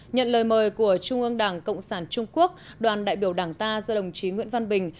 nhận lời mời của trung ương đảng cộng sản trung quốc đoàn đại biểu đảng ta do đồng chí nguyễn văn bình